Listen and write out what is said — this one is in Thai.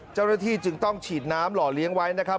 เจ้าหน้าที่จึงต้องฉีดน้ำหล่อเลี้ยงไว้นะครับ